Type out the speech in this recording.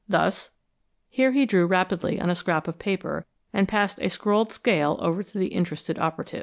Thus" here he drew rapidly on a scrap of paper and passed a scrawled scale over to the interested operative.